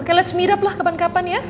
oke let's meet up lah kapan kapan ya